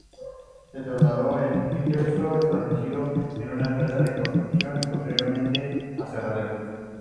Se trasladó a Ingersoll estableciendo una empresa de construcción y posteriormente un aserradero.